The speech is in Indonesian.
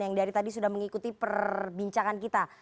yang dari tadi sudah mengikuti perbincangan kita